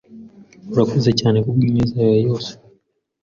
Urakoze cyane kubwineza yawe yose.